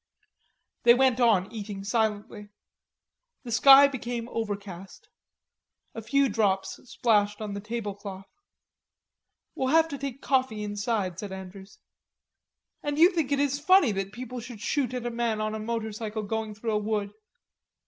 They went on eating silently. The sky became overcast. A few drops splashed on the table cloth. "We'll have to take coffee inside," said Andrews. "And you think it is funny that people shoot at a man on a motorcycle going through a wood.